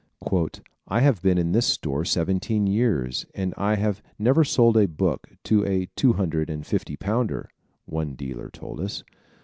"I have been in this store seventeen years and I have never sold a book to a two hundred and fifty pounder," one dealer told us.